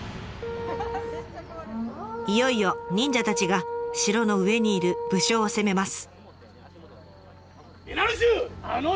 いよいよ忍者たちが城の上にいる武将を攻めます。